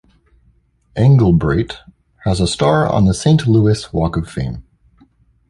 Engelbreit has a star on the Saint Louis Walk of Fame.